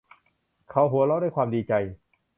เขาหัวเราะด้วยความดีใจ